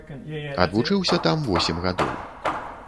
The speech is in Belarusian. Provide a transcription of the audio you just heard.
Адвучыўся там восем гадоў.